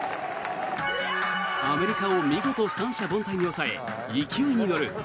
アメリカを見事、三者凡退に抑え勢いに乗る。